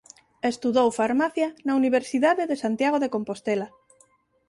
Estudou Farmacia na Universidade de Santiago de Compostela.